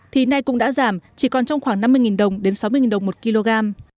thì nay cũng đã giảm chỉ còn trong khoảng năm mươi đồng đến sáu mươi đồng một kg